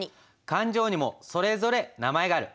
勘定にもそれぞれ名前がある。